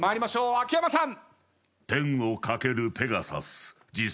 秋山さん。